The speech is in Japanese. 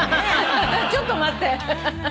ちょっと待って。